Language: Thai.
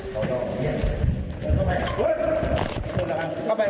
ขอบคุณค่ะขอบคุณค่ะ